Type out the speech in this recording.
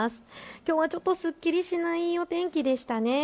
きょうはちょっとすっきりしないお天気でしたね。